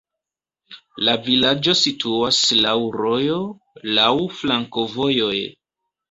La vilaĝo situas laŭ rojo, laŭ flankovojoj.